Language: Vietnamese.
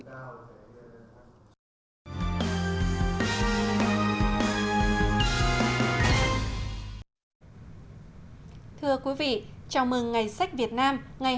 thưa quý vị chào mừng ngày sách việt nam